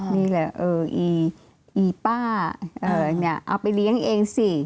นี่แหละเอออีป้าเนี่ยเอาไปเลี้ยงเองซิ